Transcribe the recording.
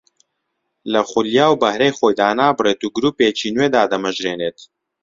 لە خولیا و بەهرەی خۆی دانابڕێت و گرووپێکی نوێ دادەمەژرێنێت